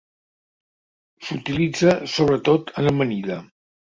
S'utilitza sobretot en amanida.